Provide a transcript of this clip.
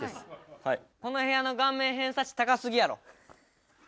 この部屋の顔面偏差値高すぎやろ！